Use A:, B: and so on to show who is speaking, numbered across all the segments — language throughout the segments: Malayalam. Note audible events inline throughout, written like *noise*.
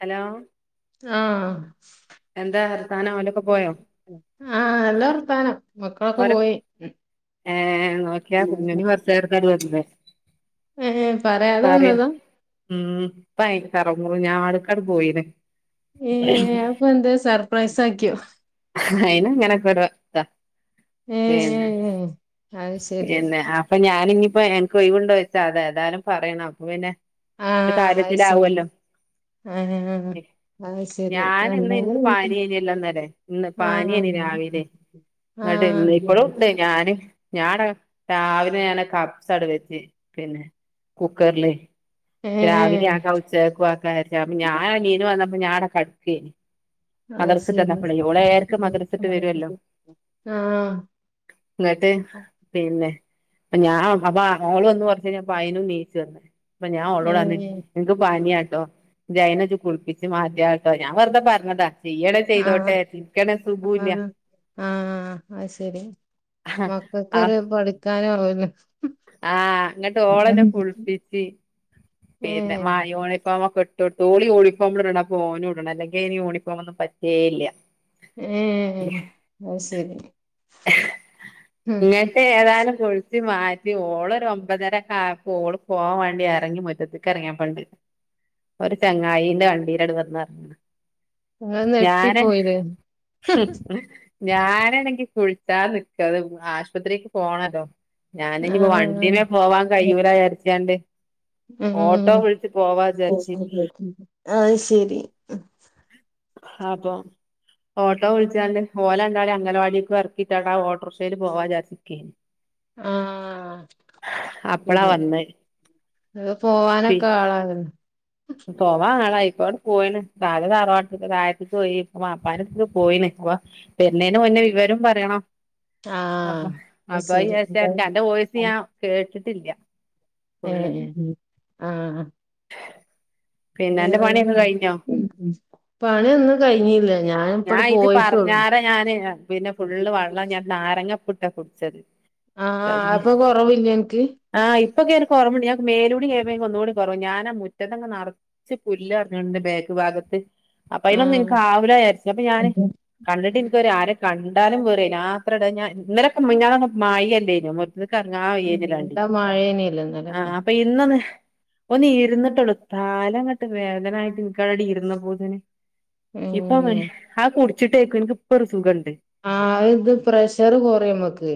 A: ഹലോ
B: ആ
A: എന്താ വർത്താനം ഓലൊക്കെ പോയോ
B: ആ നല്ലവർത്താനം
A: ഓരെ ഏ നോക്കിയ കുഞ്ഞിണി കൊച്ചേരത്തെ *unintelligible* വന്ന്
B: ഏഹ് പറയാതെ
A: പറ്യാ
B: വന്നതാ
A: ഉം ഇപ്പയിൻ്റെ തറ ഞാടുക്കാട് പോയിന്
B: ഏ അതിപ്പന്താ സർപ്രൈസ് ആക്കിയോ.
A: അയിന് അങ്ങനൊക്കൊരോ താ.
B: ഏഹ് അഹ്ശരി
A: ന് ഇഞിപ്പോ എൻക്ക് ഒഴിവുണ്ടോ യ്ച്ചാ അതാ. ഏതായാലും പറയണം അപ്പൊ പിന്നെ
B: ആ
A: ഒരു
B: അഹ്ശരി.
A: കാര്യത്തിലാവുമല്ലോ
B: ആ അഹ്ശരി
A: ഞാൻ ഇന്ന്
B: നല്ലോ *unintelligible*
A: എനിക്ക് പാനിയേനിയല്ലോ ഇന്നലെ ഇന്ന് പാന്യേനി രാവിലെ. ഇങ്ങട്ട് ഇന്ന്
B: ആഹ്
A: ഇപ്പളുംണ്ട് ഞാന് ഞാട രാവിലെ ഞാനെ കബ്സാട് വെച്ച്. പിന്നെ കുക്കർ ലെ രാവിലെ
B: ഏഹ്
A: ആക്കാ ഉച്ചക്കക്കും ആക്കാചാര്ച്ച്. ഞാൻ അഹ് നിനു വന്ന പ്പം ഞാട കട്ക്കേനി.
B: അത് ശരി
A: മദർസ്ട്ടന്നപ്പളേ ഓളേഴര്ക്ക്
B: ആഹ്
A: മദ്റസ്ട്ട് വരൊല്ലോ. ഇന്നട്ട് പിന്നെ അപ്പ ഞാൻ അപ്പ ഓള് വന്ന് കൊർച്ചയ്ഞ്ഞപ്പാ അയ്നും നീച്ച് വന്ന് ഞാൻ ഓളോടർഞ്ഞ്
B: ഏഹ്
A: ഇൻക്ക് പനിയാട്ടോ. ഇജൈനജ് കുളിപ്പിച്ച് മാറ്റ്യാള ട്ടോ. ഞാൻ വെറ്തെ പറഞ്ഞതാ. ചെയ്യണേ
B: ആ
A: ചെയ്തോട്ടെ ഇനിക്കാണേ
B: ആ
A: സുഖൂല്ല
B: ആ അഹ്ശരി. മക്കക്കൊര് പഠിക്കാനാവൊ ലോ
A: ആ ഇങ്ങട്ട് ഓളന്നെ കുൾപ്പിച്ച് പിന്നെ മാ യൂണിഫോമൊക്കെ ട്ടൊട്ത്ത്. ഓളി യൂണിഫോം ഇടണം അപ്പോ ഓനും ഇടണം അല്ലെങ്കി അയ്ന് യൂണിഫോം ഒന്നും പറ്റേയല്ല്യ.
B: ഏഹ് അത് ശരി ഉം
A: ഇങ്ങട്ടേ ഏതാനും ചോയ് ച്ച് മാറ്റി ഓളൊരു ഒമ്പതരക്കെ ആയപ്പം ഓള് പോവാൻ വേണ്ടി എറങ്ങി മുറ്റത്ക്ക് എർങ്ങിയപ്പണ്ട് ഒര് ചങ്ങായിന്റെ വണ്ടീലാണ്ട് വന്ന്ർങ്‌
B: ങ്ങന്ന് ഞെട്ടി പോയിത്
A: ഞാനണെങ്കി കുൾച്ചാ നിക്ക ത് ആശുപത്രിക്ക് പോണല്ലോ ഞാന് ഇനിപ്പോ
B: ആഹ്
A: വണ്ടിമേ പോവാൻ
B: ഉം
A: കഴിയൂലാര്ച്ചാണ്ട് ഓട്ടോ വിളിച്ച് പോവാ ചാര്ച്
B: അത് ശരി
A: അപ്പൊ ഓട്ടോ വിൾച്ചാണ്ട് ഓലണ്ടാളീം അംഗലവാടിക്കും എർ ക്കിട്ടാണ്ടാ ഓട്ടോർക്ഷേല് പോവാചാര്ച്ച് ക്കേനി
B: ആ
A: അപ്പളാ
B: ശരി
A: വന്നെ
B: അത് പോവാനൊക്കെ ആളാണ്
A: പോവാ ആളായി ഇപ്പണ്ട് പോയിണ് നാലെ തറവാട്ക് താഴത്ക്ക് പോയി ഇപ്പ വാപ്പാന്റെട്ത്ക് പോയിന് വ വര്ണേനു മുന്നേ വിവരം പറയണം
B: ആഹ് അത് ശരി
A: *unintelligible* അന്റെ വോയിസ് ഞാൻ കേട് ഇല്ല്യ
B: ഏഹ് ആഹ്
A: പിന്നെ അന്റെ പണിയൊക്കെ
B: *unintelligible*
A: കഴിഞ്ഞോ
B: പണിയൊന്നും കയ്ഞ്ഞില്ല
A: ഞാൻ
B: ഞാനിപ്പണ്ട്
A: ഇത്
B: പോയിട്ടൊള്ളു
A: പറഞ്ഞാരെ ഞാന് പിന്നെ ഫുള്ള് വെള്ളം ഞാൻ *unintelligible* കുടിച്ചത്
B: ആഹ് അപ്പൊ കൊറവില്ലേ നിക്ക്
A: *unintelligible* കുറവുണ്ട് ഞമേലൂടി കഴുകിയപോ ഒന്നൂടി കുറവു ഞാൻ മുറ്റതങ്ങ് നടന്ന് ച്ച് പുല്ല് *unintelligible* ബാക്ക് ഭാഗത്ത് അപ്പൊ അയിനൊന്ന് എനിക്ക്
B: ആഹ്
A: *unintelligible* അപ്പൊ ഞാൻ കണ്ടിട്ട് എനിക്കൊരു കണ്ട് *unintelligible* വേറെ ഇല്ല ആത്രാട ഞാൻ ഇന്നലെ മിനിഞ്ഞാന്നൊക്കെ മഴ അല്ലേ *unintelligible* *unintelligible* ഇറങ്ങാൻ വയ്യിനില്ലാരുന്നു
B: എന്താ മഴേനല്ലോ
A: ആ
B: ഇന്നലൊക്കെ
A: അപ്പൊ ഇനൊന്ന് ഒന്ന് ഇരുന്നിട്ട്ള്ളു കാലങ്ങട്ട് വേദനായിട്ട് *unintelligible* ഇരുന്നപോതന്നെ ഇപ്പം മ
B: ഉം
A: ആക്കൂടി *unintelligible*
B: ആ ഇത് പ്രഷർ കൊറായു മ്മക്ക്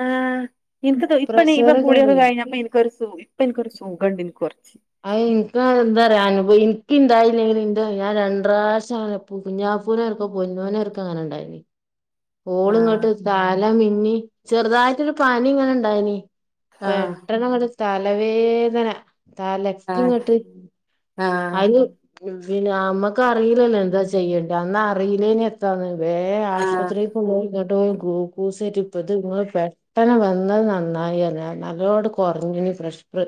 A: ആഹ് എനിക്ക് ഇപ്പ ഇപ്പ കുളിയൊക്കെ കഴിഞ്ഞപ്പ എനിക്കൊരു *unintelligible* ഇപ്പോ നിക്കൊരു സുഖം ഉണ്ട് നി കൊറച്ച്
B: അഹ് ഇനിക്ക് എന്താ അറിയാ അനുഭവം എനിക്ക ഇണ്ടായില്ലെങ്കിൽ എന്ത ഞാൻ രണ്ടുപ്രാശം കുഞ്ഞാപ്പൂനെ ആർക്കും പൊന്നോന ആർക്കും അങ്ങനെ ഇണ്ടായിനി പോൾ
A: ആഹ്
B: ഇങ്ങോട്ട് സ്ഥല നീ ചെറുതായിട്ടൊരു പനി ഇങ്ങനെ ഇണ്ടായിനി
A: ആഹ്
B: പെട്ടെന്ന് അങ്ങട് തലവേദന തലെക്ക്
A: ആഹ്
B: ഇങ്ങട്ട്
A: ആഹ്
B: അത് പിന്നെ നമ്മക്ക് അറിയില്ലല്ലോ എന്താ ചെയ്യണ്ടേ അന്ന് അറിയിന്നെൻ എത്താന്ന് വേ ആസ്
A: ആഹ്
B: പത്രി കൊണ്ട് പോയിക്കാണും ഗ്ലുക്കോസ് കെറ്റിപ്പോ ഇത് ഇങ്ങള് പെട്ടനെ വന്നത് നന്നായി അല്ലെ നല്ലോണ്ണം കൊറഞ്ഞിനി പ്രേഷ പ്ര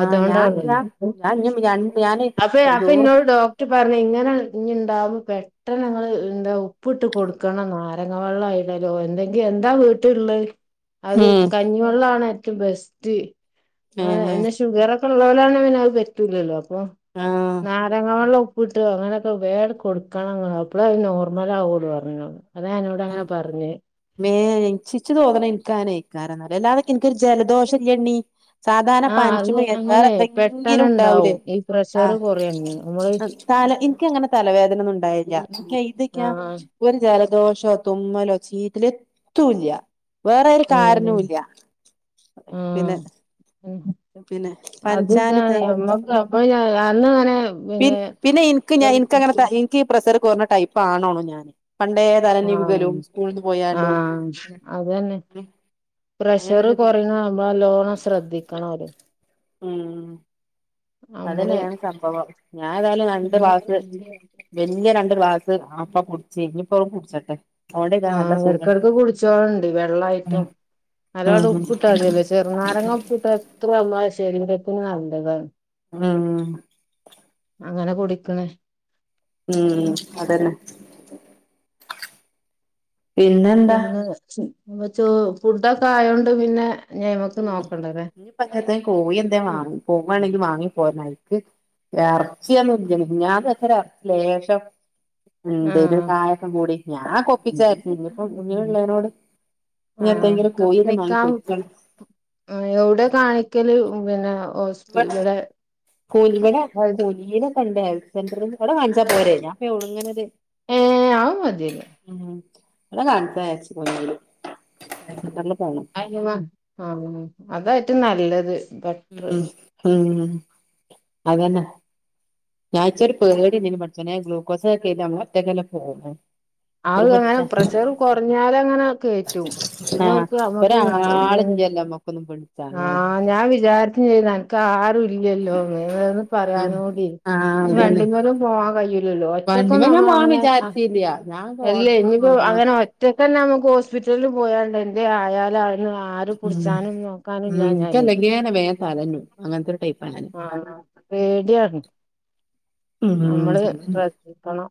B: അതു
A: ഞാൻ ഞാൻ ഞാൻ ഇഞ്ഞ്
B: *unintelligible*
A: രണ്ട് ഞാന്
B: അപ്പ അപ്പൊ
A: ചോറ്
B: ഇന്നോട് ഡോക് പറഞ്ഞ് ഇങ്ങനെ ഇൻയി ഇണ്ടാവുമ്പോ പെട്ടെന്ന് ഇങ്ങള് എന്താ ഉപ്പിട്ട് കൊടുക്ക ക്കണം നാരങ്ങ വള്ളം ഇടലോ എന്തെങ്കി എന്താ വീട്ടില്ള്ളെ അത്
A: ഉം
B: കഞ്ഞിവെള്ളാണ് ഏ റ്റോം ബെസ്റ്റ് ആ
A: ഏഹ്
B: എന്നെ ഷുഗറോ കൊള്ളോലാണെ പിന്നെ അത് പറ്റുല്ലല്ലോ അപ്പോ
A: ആഹ്
B: നാരങ്ങ വെള്ളം ഉ പ്പിട്ടോ അങ്ങനെയൊക്കെ വേട് കൊടുക്കണം ഇങ്ങള് അപ്പള അത് നോർമല ആവുള്ളൂ പറഞ്ഞു ഇനോട് അതനോട് അങ്ങനെ പറഞ്ഞ്
A: ഇച്ച് തോന്ന്ണേ ഇനിക്ക് അങ്ങനെ എയ്കരംന്ന അല്ലാതെ എനിക്ക് *inaudible* ഇൻക്ക് ഒരു ജലദോഷം ഇല്ലണ്ണി സാധാരണ
B: ആഹ് അത്
A: പനിച്ചുമ്പേ വേറെ
B: അങ്ങനെ പെട്ടെന്ന്
A: എത്തങ്കിലും ഉണ്ടാവൂലേ
B: ഇണ്ടാവും ഈ
A: ആ
B: പ്രഷർ കൊറയങ്ങ് നമ്മള്
A: തല എനിക്കങ്ങനെ തലവേദന ഒന്നും ഉണ്ടായില്ല ഇതൊക്കെയ
B: ആഹ്
A: ജല ദോശ *unintelligible* തുമ്മലോ ചീത്തലേ എത്തുല്ല വേറെരു കാരണവും
B: ഉം
A: ഇല്ല
B: ആഹ് അത് ഇതണോണ് നമ്മക്ക് അപ്പഠ *inaudible* അന്ന്ങ്ങനെ
A: പി
B: പിന്നെ
A: എനിക്ക് ഞാൻ എനിക്കങ്ങനെ എനിക്ക് ഈ പ്രഷർ കുറഞ്ഞ ടൈപ്പ്ണോ ഞാന് പണ്ടേ
B: ആ
A: തലനിവുകലും സ്കൂളിന്ന്
B: ആ
A: പോയാണ്ടും
B: അതന്നെ പ്രഷർ
A: അങ്ങനൊരിത്
B: കുറയ്ണത് ആവുമ്പോ നലോണം ശ്രദ്ധിക്കണം ഓല്
A: ഉം
B: നമ്മള്
A: അതെന്നെയാണ് സംഭവം ഞാൻ ഏതായാലും രണ്ട് ഗ്ലാസ് *unintelligible* തായാലുംവാസ് വല് രണ്ട് ഗ്ലാസ് അപ്പോ കുടിച്ച് ഇനിപ്പ കുടിച്ചട്ടെ അതോണ്ട് ഇതാ
B: ആ
A: നല്ല
B: ഇടകടക്ക്
A: സുഖണ്ട്
B: കുടിച്ചോളണ്ടി വെള്ളായിട്ടും നല്ലോണ്ട്
A: ഉം
B: ഉപ്പിട്ടാ അതില്ല *unintelligible* ചെറുനാരങ്ങ ഉപ്പിട്ടാ എത്ര ശരീരത്തിന് നല്ലതാണ്
A: ആ
B: അങ്ങനെ കുടിക്കണേ
A: ഉം അതന്നെ പിന്നെന്താ
B: പിന്നെ അപ്പ *unintelligible* ഫുഡൊക്കെ ആയോണ്ട് പിന്നെ
A: ഉ
B: ഞയ്മക്ക് നോക്കണ്ടല്ലേ
A: ഇനി ഇപ്പൊ *unintelligible* കോഴിഎന്താ വാങ്ങണംപോവുവാണെങ്കിൽ വാങ്ങി പോരണം ആയിക്ക് ഇറച്ചി ഒന്നും ഇല്ല മിനിഞ്ഞാന്ന് വെച്ച ഇറച്ചിലേഷം എന്തേലും ഒരു.
B: ആഹ്
A: കായകം കൂടി ഞാൻ ഒപ്പിച്ചായിരുന്നു ഇനിപ്പം ഇനിള്ളേനോട്
B: ആഹ്
A: ഇനിഎന്തെങ്കിലും കോഴി വാങ്ങി
B: കാണിക്കാം
A: പൊരിക്കണം
B: എവിടെ കാണിക്കല് വ *unintelligible*
A: ഇ ഇവിടെലന കണ്ട് *unintelligible* ഹെൽത്ത് സെന്റർ ഇവിടെ കാണിച്ചൽ പോരെ ഞാൻപ്പ ഒ ഉങ്ങനത്
B: ഏഹ് അത് മതിയല്ലോ
A: *unintelligible* ഉ *unintelligible* ഇവിടെ കാണിച്ച *inaudible*
B: *unintelligible* ആ ആ അതായി നല്ലത് ബെറ്ററ്
A: മം മ് അത് തന്നെ ഞാൻ വിചാരിച്ചു ഒരു പേടി ഉണ്ടായിരുന്നു. പടച്ചോനെ ഗ്ലൂക്കോസൊക്കെ കെറ്റാ ഞാൻഒറ്റക്കല്ലേ പോന്നത്
B: ആ അങ്ങനെ പ്രഷറ് കൊറഞ്ഞാലങ്ങനെ കേറ്റും പിന്നെ
A: ആഹ്
B: അവർക്ക് അമ്മക്ക് കാപ്ലെ
A: ഒരാളില്ലല്ലോ നമ്മക്കൊന്നും
B: ആ
A: വിളിച്ചാനോട്
B: ഞാൻ വിജാരിച്ച്ചെയ്യുനല്ല *unintelligible* കാർ ഇല്ലല്ലോന്ന്
A: ആഹ്
B: നിവെർതെപറയാനൂടി
A: ആഹ്
B: ഇ
A: അതന്നെ
B: വണ്ടിമലും പോവാൻ കയ്യുല്ലല്ലോ
A: വണ്ടിമ്മെ ഞാൻ പോവാൻ
B: ഒറ്റക്കൊന്നുനമ്മളങ്ങനെ ആ
A: വിചാരിച്ചില്ല ഞാൻ
B: അല്ലേ
A: ഓട്ടർഷ
B: ഇനിപ്പോ
A: പോന്നതാ
B: അങ്ങനെ ഒറ്റക് തന്നെ നമുക്ക് ഹോസ്പിറ്റലിൽ പോയാണ്ട് എൻതേലായാലായി ന്ന് ആര്
A: ഉം
B: പുടിച്ചാനും നോക്കാനും ഇല്ലാഞ്ഞാല്
A: തലനു അങ്ങൻത്തൊരുടൈപ്പ്
B: ആണോ പേടിയാണ്
A: ഉം
B: നമ്മള് ശ്രദ്ധിക്കണം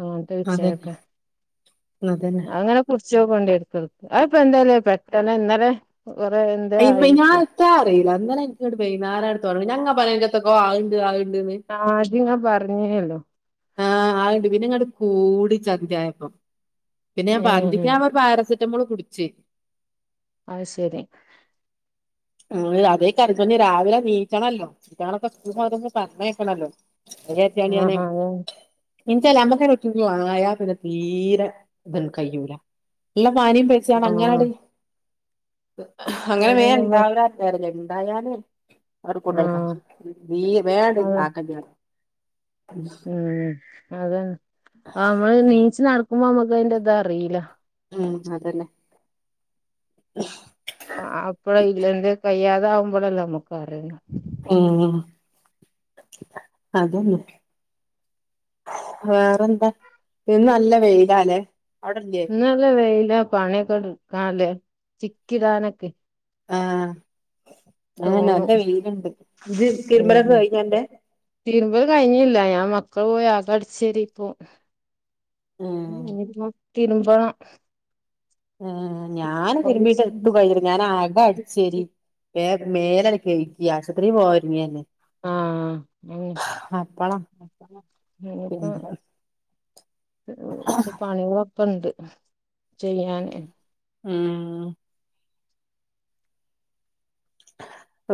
B: അങ്ങൻത്തെ
A: അതന്നെ
B: വിച്ച യൊക്കെ
A: അതന്നെ അതന്നെ
B: അഇങ്ങനെകുടിച്ച് ചോക്കോണ്ടിടുക്കൾ അയപ്പന്തലെ പെട്ടന്നെന്നലെ
A: ഐമേ ഞാൻത്താഅറിയിലാന്ന് ഇങ്ങളെൻക്കണ്ട് വൈനാരങ്ങട് തൊടങ്ങും ഞങ്ങപറയണെത്തക്കോ അഇണ്ട് അഇണ്ട് ട്ന്
B: ഇത് പറഞ്ഞെഒള്ളു
A: ആഹ് ആണ്ട് പിന്നെ ഇങ്ങണ്ട് കൂടി ചദ്യയായപ്പം പിന്നെ ഞാൻ
B: ഏഹ്
A: പക്തിക്ക്‌ നമ്മ പാരസെറ്റമോൾ കുടിക്കും ഉച്ചി
B: ആഹ ശരി
A: അഇ അതേ കറിഞ്ഞഞ്ഞ് രാവിലെ നീറ്റണല്ലോ നീട്ടണൊക്കെ സ്‌കൂൾക്ക്മസേക്ക് പറഞ്ഞെക്കണല്ലോ
B: ആഹ ആഹ ഓ
A: എചാല അക്ക ഒറ്റ ആയാ പിന്നെ തീരെ ഇതന്നും കഴൂല അല്ല മാനം പൈസാണ്
B: ആഹ്
A: അങ്ങനെ അട ഹ അങ്ങനെ വേൻ
B: പോകാനുള്ള
A: വറല എന്തായാല അങ്ങട് കൊണ്ടാക്കികള
B: ആഹ്
A: നീ വേണ്ട ആക്കണ്ടി
B: മ് അതെ അമ്മള് നീച്ച് നടക്ക ഉമ്മാമക്ക്‌ അയ്ന്റെ ഇത്അറിയില
A: ഉം അതന്നെ *unintelligible*
B: അ അപ്പഴ ഇല്ലന്ത് കയ്യാ തവുംബളല്ലേ നമ്മക്കറിയ
A: ഇമ് അതന്നെ വേറെന്താ ഇന്ന് നല്ല വെയിലാലെ
B: ഇന്ന് നല്ല വെയില പണിയൊക്കെ എടുക്കാല്ലേ ചിക്കിടാനൊക്കെ
A: ആ നല്ല
B: തോന്നും
A: വെയിലൊണ്ട് ഇത് തിരുമ്പളന് *unintelligible*
B: തീരുമ്പ്കഴിഞ്ഞില്ല ഞാൻ മക്കള് പോയക്കെ അടിച്ചാരി ഇപ്പോ
A: ഉം
B: *unintelligible* തിരുമ്പണം
A: ഏ ഞാന് തിരുമ്പീട്ട് എത്തു കഴിഞ്ഞില്ല ഞാൻ ആകെ അടിച്ചേരി വേ മേലട് കഴികി ആശൂത്രീ പോവാനൊരുങ്ങല്ലേ
B: ആ
A: അപ്പളാ
B: ഇപ്പൊ
A: പിന്നെ
B: ഇപ്പ പണിക കണ്ട് ചെയ്യാന്
A: ഉം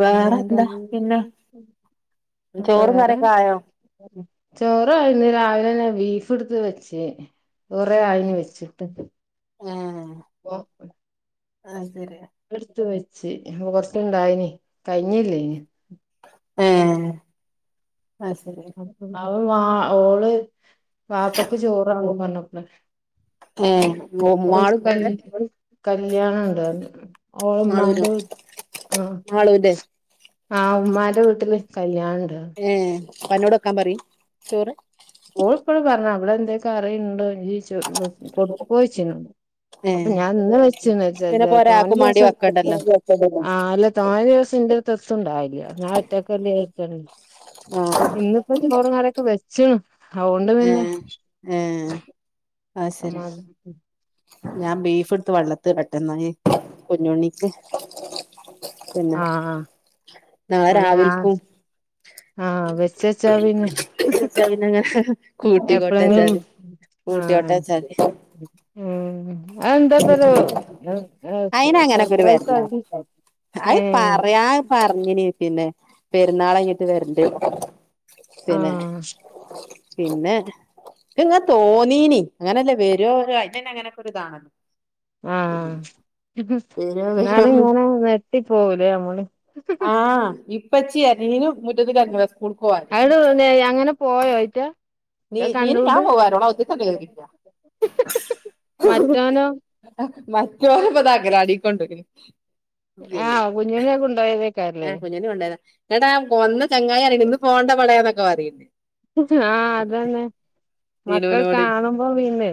A: വേറെ എന്താ പിന്നെ ചോറും
B: വേറെ
A: കറിയൊക്കെ ആയോ
B: ചോറിരാന്ന് രാവിലെന്നെ വീ ഫ്ട്ത്ത് വെച്ച് കൊറെ ആയിന് വെച്ചിട്ട്
A: അതെ
B: എടുത്ത് വെച്ച് പ്പ പുറത്തുണ്ടായിന് കഴിഞ്ഞില്ലേനി
A: ഏ അയ്ശരി
B: *unintelligible* ഓള് വാപ്പക്ക് ചോറ് വാണം പറഞ *unintelligible*
A: ഏഹ്
B: ഓൾക്
A: മാളുല്ല്യാടെ
B: കല്യാണം കല്യാണം ഉണ്ടാർന്നു ഓൾ
A: മാളൂനോ
B: ഉമ്മാന്റെ വീട്ട് ആ
A: മാളൂന്റെ
B: ആഹ് ഉമ്മാന്റെ വീട്ടില് കല്യാണം ഉണ്ട്
A: ഏ പ്പന്നോട് വെക്കാൻ പറയേ ചോറ്
B: ഓൾ ഇപ്പോഴും പറഞ്ഞു അവിടെ എന്തേ കറിണ്ടോ *unintelligible* കൊടുക്കോച്ച്ന്നോട് അപ്പ
A: ഏഹ്
B: ഞാൻ ഇന്ന് വെച്ച വച്ച
A: പിന്നെപ്പോ ഒരാക്കും മാണ്ടി
B: തോന്നേദിവസം
A: വെക്കണ്ടല്ലോ
B: ആ അല്ല തോന്നേദിവസണ്ട് എത്തും ണ്ടാവേല്ല്യഞാൻ ഒറ്റയ്ക്കല്ലെ ജാരിച്ചാട്ട്
A: ആഹ്
B: ഇന്ന് ഇപ്പം ചോറൂംകറിക്കൊ വെച്ച്ണ് അ ഓണ്ട് പിന്നെ
A: ഏഹ് ഏഹ് അത് ശരി ഞാൻ ബീഫ് എടുത്ത് വെള്ളത്തിടട്ടെ ന്നാല് കുഞ്ഞുണ്ണിക്ക് പിന്നെ
B: ആ അന്നെ ആ
A: നാളെരാവിൽക്കും
B: ആ വെച്ചച്ചാ പിന്നെ
A: കൂട്ടി കൊട്ട
B: എപ്പളെങ്കിലും
A: ചാരി
B: ആ
A: കൂട്ടി ഒട്ടാ ചാരി
B: ഉം അത് എന്താപ്പൊരു
A: അയിന് അങ്ങനൊക്കെ ഒരു
B: സർപ്രൈസ്
A: വരലാ
B: *unintelligible* ഏ
A: അത് പറയാ പറഞ്ഞിന് പിന്നെ പെരുന്നാളയ്ഞ്ഞിട്ട് വരണ്ട് പിന്നെ
B: ആഹ്
A: പിന്നെ ഇക്ക്ങ്ങ തോന്നീനി ങ്ങനല്ലേ വരോ *unintelligible* അയ്ന് അങ്ങനൊക്കൊരു ഇതാണു
B: ആഹ്
A: വരോ
B: ന്നാലും
A: വരോന്ന്
B: ങ്ങനെ നെട്ടിപ്പോവൂലേ നമ്മള്
A: ആഹ് ഇപ്പച്ചി നീനും മുറ്റത്ത് കഞ്ഞിവ സ്കൂൾക്ക് പോവാന്
B: അങ്ങനെ പോയോ അയ്റ്റ
A: നീ മീന്
B: കണ്ടോണ്ട്
A: ഞാൻ പോവാരോടാ ഒത്തിരി
B: മറ്റോനോ
A: *unintelligible* മറ്റോനെപ്പിന്ന് അംഗനവാടീക്കൊണ്ടോയ്ക്ണ്
B: ആഹ് കുഞ്ഞുണ്ണിനെ
A: ആ
B: കൊണ്ടോയതേക്കാരല്ലേ
A: കുഞ്ഞിന കൊണ്ടയതാ എടാ ഒന്ന് ചങ്ങായിറ ഇന്ന് പോണ്ട ബളെന്നൊക്കെ പറയി
B: ആഹ് അത ന്നെ മക്കൾ
A: ദിനുവിനോട്
B: കാണുമ്പോ പിന്നെ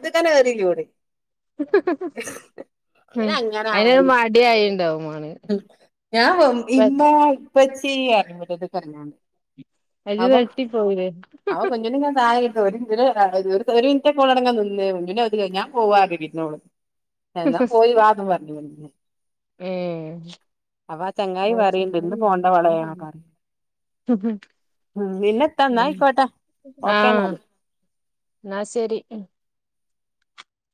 A: *unintelligible* നോള്
B: ഉം അയിനൊരു
A: അയ്നങ്ങനായി
B: മടിയായിണ്ടാവും മാണെ
A: ഞാ ഇമ്മ ഇപ്പ ചെയ്യ *unintelligible*
B: അയില് വെട്ടി പോവുലെ
A: അവ *unintelligible* ഒരു മിനിറ്റൊക്കടങ്ങനെ നിന്നേരും മുന്നേ അത് ഞാൻ പോവാതിരിക്കുന്നോളു എന്നാ പോയി വാ ന്ന് പറഞ്ഞ്ക്ണ്
B: ഏഹ്
A: അപ്പാ ചങ്ങായി പറയ്ണ്ട് ഇന്ന് പോണ്ട വളയാക്കാന്ന് പിന്നെത്താന്നാ
B: ആഹ് ന്നാ ശരി